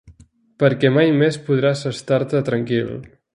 Perquè mai més podràs estar-te tranquil.